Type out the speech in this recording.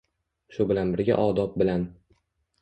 shu bilan birga odob bilan